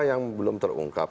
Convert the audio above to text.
yang belum terungkap